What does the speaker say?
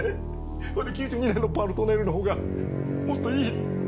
それで９２年の「パルトネール」のほうがもっといい？